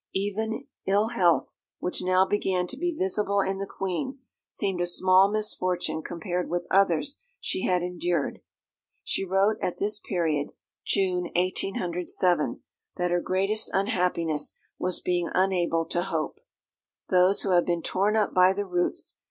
Even ill health, which now began to be visible in the Queen, seemed a small misfortune compared with others she had endured. She wrote at this period, June 1807, that her greatest unhappiness was being unable to hope. "Those who have been torn up by the roots